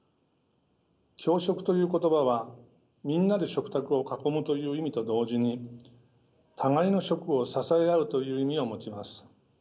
共食という言葉はみんなで食卓を囲むという意味と同時に互いの食を支え合うという意味を持ちます。